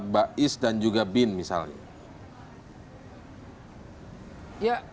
bapak is dan juga bin misalnya